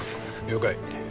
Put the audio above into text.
了解。